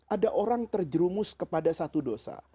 ada orang terjerumus kepada satu dosa